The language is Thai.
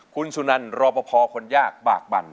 คุณสุนันรอปภคนยากบากบั่น